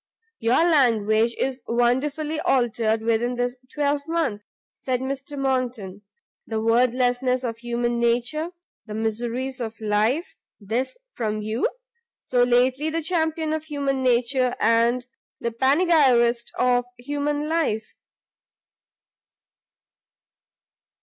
"Your language is wonderfully altered within this twelvemonth," said Mr Monckton; "the worthlessness of human nature! the miseries of life! this from you! so lately the champion of human nature, and the panegyrist of human life!"